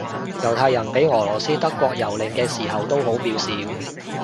猶太人畀俄羅斯德國蹂躪嘅時候都好渺小